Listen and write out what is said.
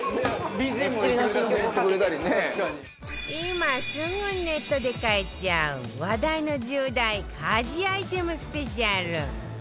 今すぐネットで買えちゃう話題の１０大家事アイテムスペシャル